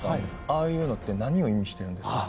ああいうのって何を意味してるんですか？